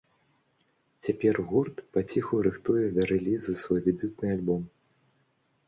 Цяпер гурт паціху рыхтуе да рэлізу свой дэбютны альбом.